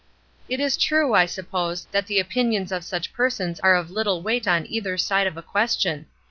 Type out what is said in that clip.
"It is true, I suppose, that the opinions of such persons are of little weight on either side of a question.